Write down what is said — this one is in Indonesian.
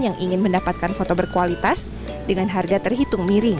yang ingin mendapatkan foto berkualitas dengan harga terhitung miring